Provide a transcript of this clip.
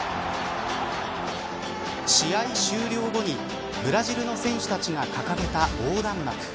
試合終了後にブラジルの選手たちが掲げた横断幕。